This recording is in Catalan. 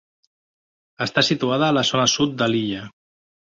Està situada a la zona sud de l'illa.